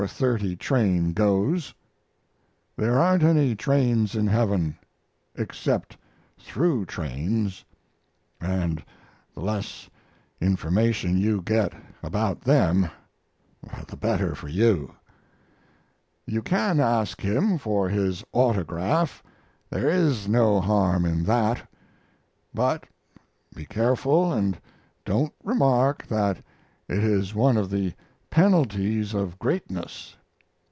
30 train goes; there aren't any trains in heaven, except through trains, and the less information you get about them the better for you. You can ask him for his autograph there is no harm in that but be careful and don't remark that it is one of the penalties of greatness.